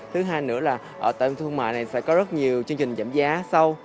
thứ hai nữa là ở tầng thương mại này sẽ có rất nhiều chương trình giảm giá sau